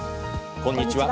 こんにちは。